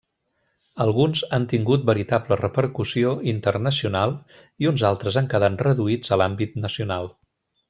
Alguns han tingut veritable repercussió internacional i uns altres han quedat reduïts a l'àmbit nacional.